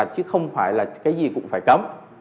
chứ không phải là cái gì cũng phải cấm